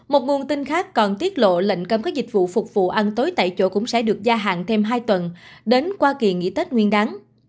một nguồn tin khác còn tiết lộ lệnh cấm các dịch vụ phục vụ ăn tối tại chỗ cũng sẽ được gia hạn thêm hai tuần đến qua kỳ nghỉ tết nguyên đáng